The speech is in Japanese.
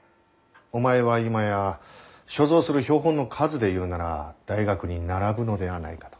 お前は今や所蔵する標本の数で言うなら大学に並ぶのではないかと。